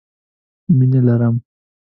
مينه لرم